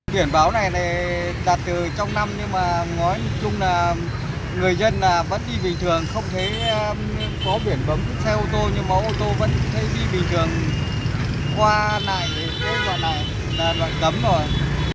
biển báo này đạt từ trong năm nhưng mà nói chung là người dân vẫn đi bình thường không thấy có biển bấm xe ô tô nhưng mà ô tô vẫn thấy đi bình thường qua này qua này là loại cấm rồi